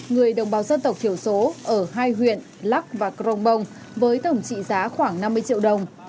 người đồng bào dân tộc thiểu số ở hai huyện lắc và crong bông với tổng trị giá khoảng năm mươi triệu đồng